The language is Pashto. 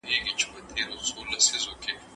ق